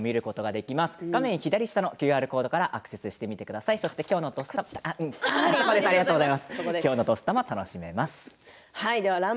画面左下のＱＲコードからアクセスしてみてください。